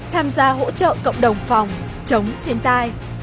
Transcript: tham gia hỗ trợ cộng đồng phòng chống thiên tai